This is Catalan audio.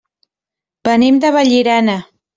Venim de Vallirana.